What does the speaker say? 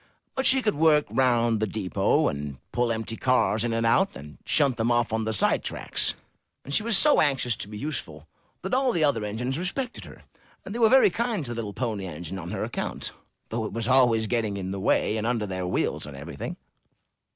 But she could work round the depot, and pull empty cars in and out, and shunt them off on the side tracks, and she was so anxious to be useful that all the other engines respected her, and they were very kind to the little Pony Engine on her account, though it was always getting in the way, and under their wheels, and everything.